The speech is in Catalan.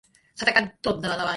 S'ha tacat tot de dalt a baix.